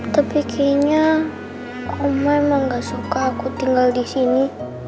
tapi kayaknya oma emang gak suka aku tinggal disini